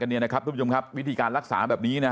นี่นะครับทุกผู้ชมครับวิธีการรักษาแบบนี้นะฮะ